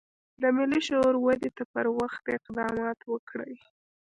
د ملي شعور ودې ته پر وخت اقدامات وکړي.